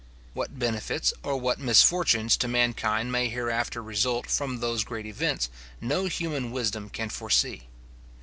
What benefits or what misfortunes to mankind may hereafter result from those great events, no human wisdom can foresee.